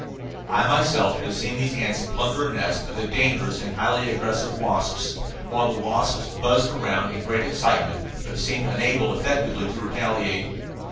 I have myself seen these ants plunder a nest of the dangerous and highly aggressive wasps, while the wasps buzzed about in great excitement, but seemed unable effectively to retaliate.